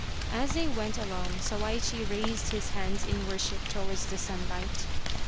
As they went along Sawaichi raised his hands in worship towards the sun light.